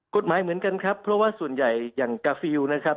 เหมือนกันครับเพราะว่าส่วนใหญ่อย่างกาฟิลนะครับ